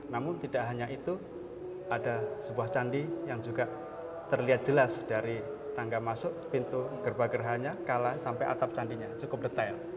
namun tidak hanya itu ada sebuah candi yang juga terlihat jelas dari tangga masuk pintu gerba gerhanya kala sampai atap candinya cukup detail